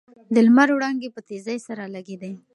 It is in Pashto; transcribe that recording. د لمر وړانګې په تېزۍ سره لګېدې.